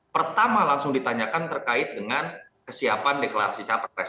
pertama langsung ditanyakan terkait dengan kesiapan deklarasi capres